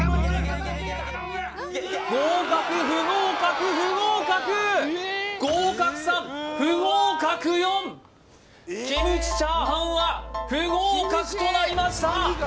合格不合格不合格合格３不合格４キムチ炒飯は不合格となりました